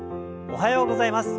おはようございます。